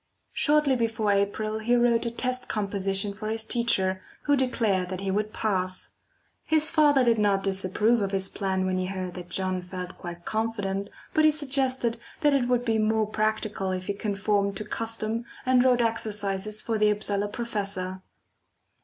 Shortly before April he wrote a test composition for his teacher, who declared that he would pass. His father did not disapprove of his plan when he heard that John felt quite confident, but he suggested that it would be more practical if he conformed to custom and wrote exercises for the Upsala professor.